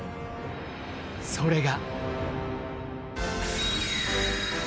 それが。